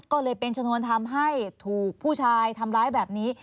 ก็เลยเป็นชนวนทำให้ถูกผู้ชายทำร้ายแบบนี้